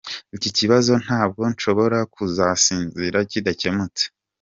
Iki kibazo ntabwo nshobora kuzasinzira kidakemutse.